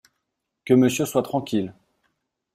Que Monsieur soit tranquille !